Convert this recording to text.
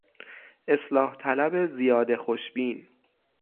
اصلاح طلب زیاده خوشبین